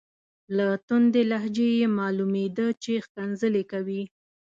له توندې لهجې یې معلومیده چې ښکنځلې کوي.